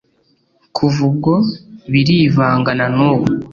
Kuva ubwo birivanga nanubu